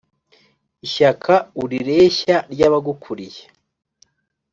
ishyaka urireshya n'abagukuriye.